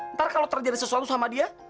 ntar kalau terjadi sesuatu sama dia